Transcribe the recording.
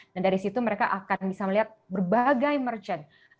dan dari situ mereka akan bisa melihat berbagai merchant